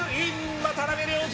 渡辺良治！